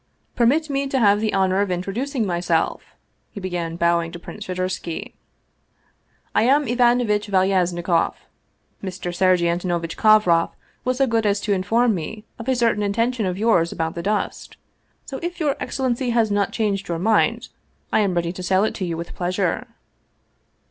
" Permit me to have the honor of introducing myself," he began, bowing to Prince Shadursky ;" I am Ivanovitch Valyajnikoff. Mr. Sergei Antonovitch Kovroff was so good as to inform me of a certain intention of yours about the dust. So, if your excellency has not changed your mind, I am ready to sell it to you with pleasure."